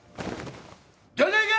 出ていけ！